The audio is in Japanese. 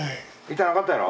痛なかったやろ？